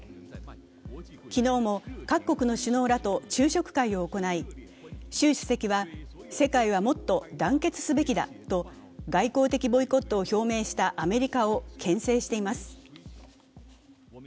昨日も各国の首脳らと昼食会を行い、習主席は世界はもっと団結すべきだと外交的ボイコットを表明したアメリカをけん制しています。